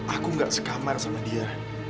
aku gak sekamar sama dia